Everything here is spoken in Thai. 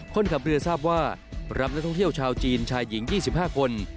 คนขับเรือทราบว่ารับนักท่องเที่ยวชาวจีนชายหญิง๒๕คน